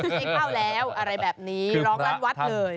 ที่ไข้เข้าแล้วอะไรแบบนี้ร้องละวัดเลย